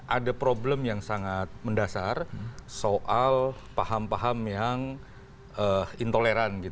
ada problem yang sangat mendasar soal paham paham yang intoleran